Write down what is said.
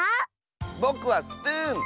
ぼくはスプーン！